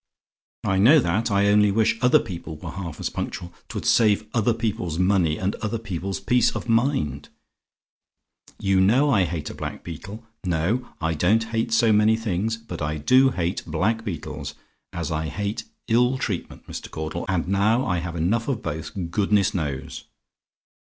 "I know that. I only wish other people were half as punctual: 'twould save other people's money and other people's peace of mind. You know I hate a black beetle! No: I don't hate so many things. But I do hate black beetles, as I hate ill treatment, Mr. Caudle. And now I have enough of both, goodness knows!